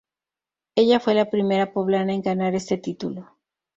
Ella fue la primera Poblana en ganar este título.